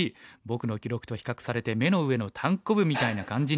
僕の記録と比較されて目の上のタンコブみたいな感じになるから。